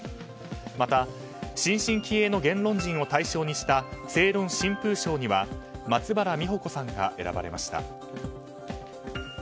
また、新進気鋭の言論人を対象にした正論新風賞には松原実穂子さんが選ばれました。